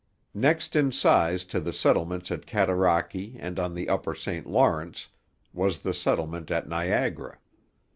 Next in size to the settlements at Cataraqui and on the Upper St Lawrence was the settlement at Niagara.